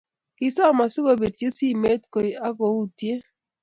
kisom asikobirchi simet koi , aku yutie